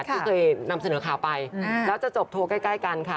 ที่เคยนำเสนอข่าวไปแล้วจะจบทัวร์ใกล้กันค่ะ